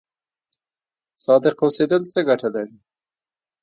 صادق اوسیدل څه ګټه لري؟